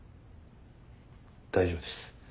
大丈夫です。